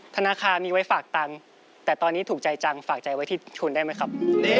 ธนาคารมีไว้ฝากตังค์แต่ตอนนี้ถูกใจจังฝากใจไว้ที่ทุนได้ไหมครับ